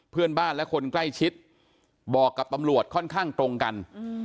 เพื่อนบ้านและคนใกล้ชิดบอกกับตำรวจค่อนข้างตรงกัน